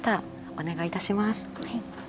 お願いいたします。